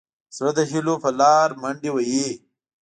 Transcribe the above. زړه د هيلو په لاره منډې وهي.